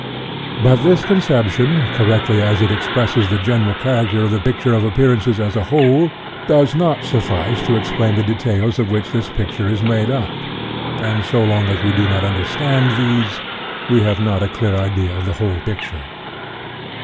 But this conception, correctly as it ex presses the general character of the picture of appearances as a whole, does not suffice to explain the details of which this picture is made up, and so long as we do not under stand these, we have not a clear idea of the whole picture.